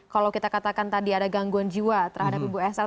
kalau kita katakan tadi ada gangguan jiwa terhadap ibu elsa